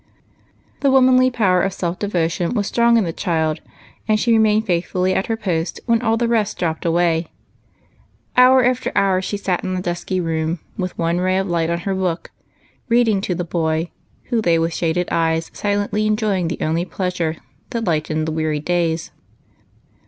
Tlie womanly power of self devotion was strong in the child, and she remained faithfully at her post when all the rest dropped away. Hour after hour she sat in 120 EIGHT COUSINS. the dusky room, with one ray of light on her book, reading to the boy, who lay with shaded eyes silently enjoying the only j^leasure that lightened the weary days.